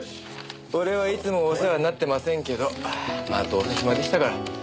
俺はいつもお世話になってませんけどまあどうせ暇でしたから。